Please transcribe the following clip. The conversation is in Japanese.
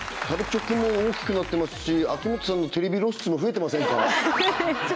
食べチョクも大きくなってますし秋元さんのテレビ露出も増えてませんか？